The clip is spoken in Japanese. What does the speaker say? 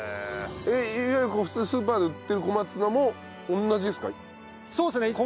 いわゆる普通にスーパーで売ってる小松菜も同じですか？